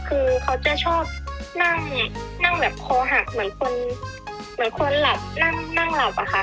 คือเขาจะชอบนั่งแบบคอหักเหมือนคนหลับนั่งหลับค่ะ